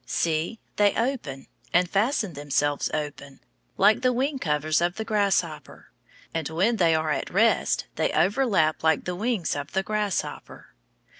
See, they open, and fasten themselves open, like the wing covers of the grasshopper; and when they are at rest they overlap like the wings of the grasshopper.